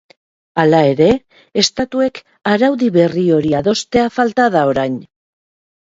Hala ere, estatuek araudi berri hori adostea falta da orain.